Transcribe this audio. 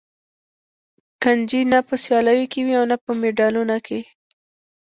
کنجي نه په سیالیو کې وي او نه په مډالونه کې.